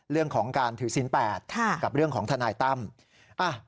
เรื่องของการถือศิลปกับเรื่องของทนายตั้ม